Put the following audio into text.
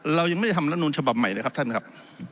เรายังไม่ได้ทำรัฐนูลฉบับใหม่เลยครับท่านครับ